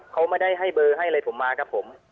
เขาไม่ได้ให้เบอร์ให้อะไรผมมาครับผม